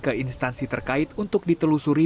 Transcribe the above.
ke instansi terkait untuk ditelusuri